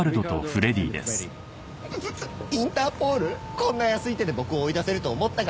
こんな安い手で僕を追い出せると思ったか？